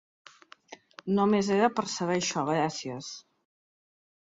Nomes era per saber això, gracies.